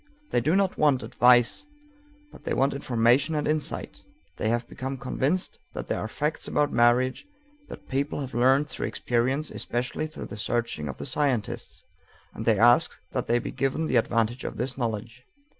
They do not want advice, but they want information and insight. They have become convinced that there are facts about marriage that people have learned through experience, especially through the searching of the scientists, and they ask that they be given the advantage of this knowledge.